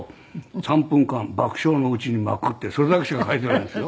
３分間爆笑のうちに幕ってそれだけしか書いてないんですよ。